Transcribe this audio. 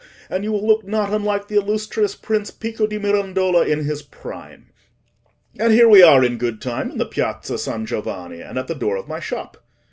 —and you will look not unlike the illustrious prince Pico di Mirandola in his prime. And here we are in good time in the Piazza San Giovanni, and at the door of my shop.